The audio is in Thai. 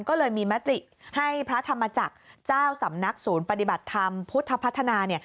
ก็เลยมีมติให้พระธรรมจักรเจ้าสำนักศูนย์ปฏิบัติธรรมพุทธพัฒนาเนี่ย